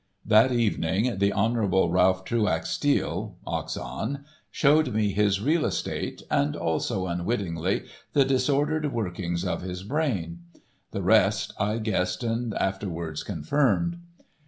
That evening the Hon. Ralph Truax Steele, Oxon, showed me his real estate and also, unwittingly, the disordered workings of his brain. The rest I guessed and afterwards confirmed.